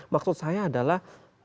maksud saya adalah